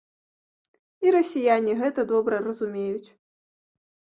І расіяне гэта добра разумеюць.